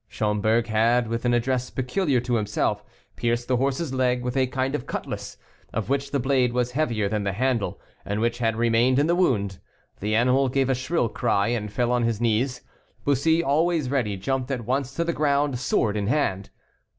Schomberg had, with an address peculiar to himself, pierced the horse's leg with a kind of cutlass, of which the blade was heavier than the handle and which had remained in the wound. The animal gave a shrill cry and fell on his knees. Bussy, always ready, jumped at once to the ground, sword in hand.